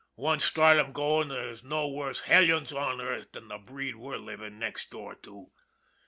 Once start 'em goin' an' there's no worse hellions on earth than the breed we're livin' next door to.